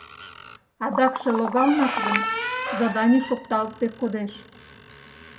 Адакше логалынак гын, заданий шукталтде кодеш.